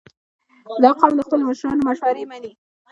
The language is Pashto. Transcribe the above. • دا قوم د خپلو مشرانو مشورې منې.